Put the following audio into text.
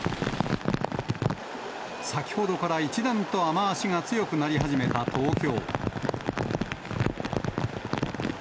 先ほどから一段と雨足が強くなり始めた東京。